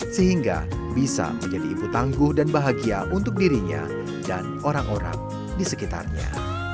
sehingga bisa menjadi ibu tangguh dan bahagia untuk dirinya dan orang orang di sekitarnya